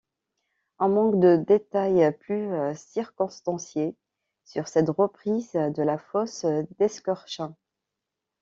On manque de détails plus circonstanciés sur cette reprise de la fosse d'Esquerchin.